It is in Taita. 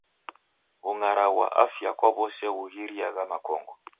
W'ungara ghwa afya kwa w'ose kughiria makongo.